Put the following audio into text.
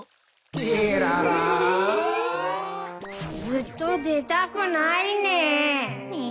ずっと出たくないね。ね。